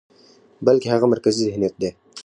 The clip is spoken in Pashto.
بلکې هغه مرکزي ذهنيت دى،